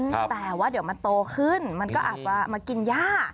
แต่ว่าเดี๋ยวมันโตขึ้นมันก็อาจจะมากินย่า